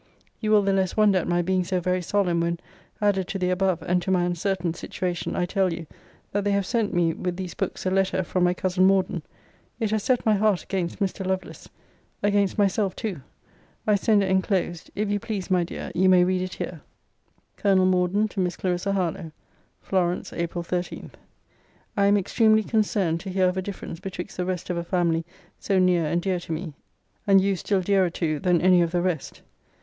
You will the less wonder at my being so very solemn, when, added to the above, and to my uncertain situation, I tell you, that they have sent me with these books a letter form my cousin Morden. It has set my heart against Mr. Lovelace. Against myself too. I send it enclosed. If you please, my dear, you may read it here: COL. MORDEN, TO MISS CLARISSA HARLOWE Florence, April 13. I am extremely concerned to hear of a difference betwixt the rest of a family so near and dear to me, and you still dearer to than any of the rest.